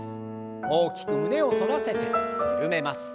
大きく胸を反らせて緩めます。